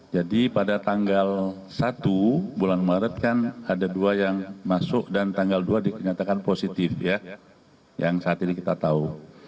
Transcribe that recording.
pada tanggal satu bulan maret kan ada dua yang masuk dan tanggal dua dinyatakan positif ya yang saat ini kita tahu